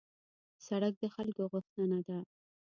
سړک د خلکو غوښتنه ده.